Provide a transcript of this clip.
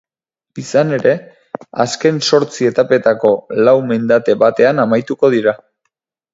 Izan ere, azken zortzi etapetako lau mendate batean amaituko dira.